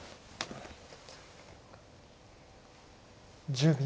１０秒。